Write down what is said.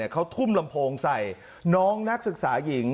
เขาทุ่มลำโพงใส่น้องนักศึกษาหญิง